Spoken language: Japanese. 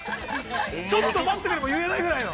ちょっと待ってくれも言えないぐらいの？